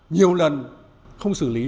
nhiều lần không xử lý